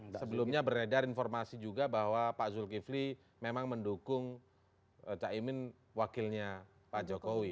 sebelumnya beredar informasi juga bahwa pak zulkifli memang mendukung caimin wakilnya pak jokowi